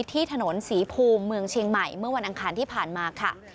ที่ถนนศรีภูมิเมืองเชียงใหม่เมื่อวันอังคารที่ผ่านมาค่ะ